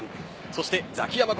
そしてザキヤマ